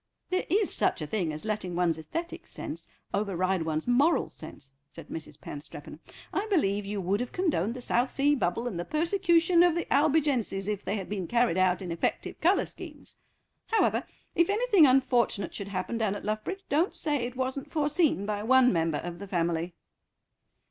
"There is such a thing as letting one's æsthetic sense override one's moral sense," said Mrs. Panstreppon. "I believe you would have condoned the South Sea Bubble and the persecution of the Albigenses if they had been carried out in effective colour schemes. However, if anything unfortunate should happen down at Luffbridge, don't say it wasn't foreseen by one member of the family."